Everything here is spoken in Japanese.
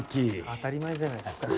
当たり前じゃないですか。